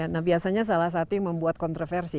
nah biasanya salah satu yang membuat kontroversi